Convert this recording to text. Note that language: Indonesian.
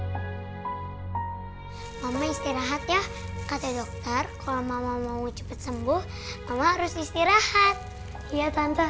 hai mama istirahat ya kata dokter kalau mama mau cepet sembuh mama harus istirahat iya tante